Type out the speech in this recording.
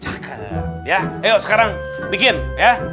cakep ya ayo sekarang bikin ya